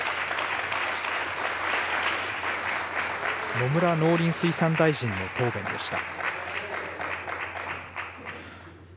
野村農林水産大臣の答弁でした。